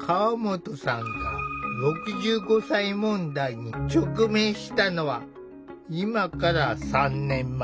河本さんが「６５歳問題」に直面したのは今から３年前。